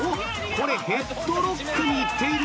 これヘッドロックにいっている。